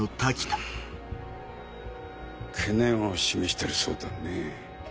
懸念を示してるそうだね。